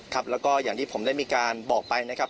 ครับแล้วก็อย่างที่ผมได้มีการบอกไปนะครับ